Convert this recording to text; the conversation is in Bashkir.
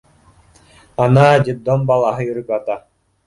— Ана, детдом балаһы йөрөп ята.